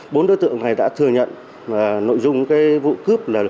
bốn đối tượng này đã thừa nhận nội dung cái vụ cướp là vào lúc một mươi chín giờ